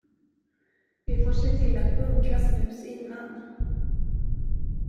Vi får se till att bunkra snus innan.